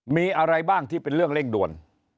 มีอะไรบ้างที่เป็นเรื่องเร่งด่วน